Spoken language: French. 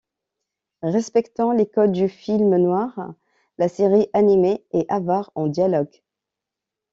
Respectant les codes du film noir, la série animée est avare en dialogues.